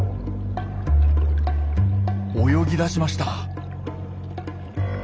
泳ぎだしました。